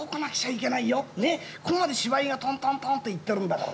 ここまで芝居がトントントンといってるんだから。